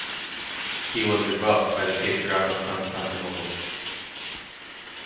He was rebuffed by the Patriarch of Constantinople.